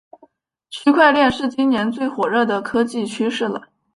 区块链是今年最火热的科技趋势了